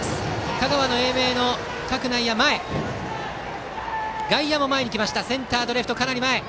香川・英明の内野が外野も前に来ました。